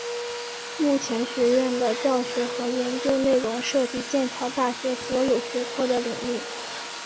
目前学院的教学和研究内容涉及剑桥大学所有学科的领域。